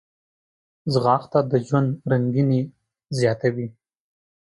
ځغاسته د ژوند رنګیني زیاتوي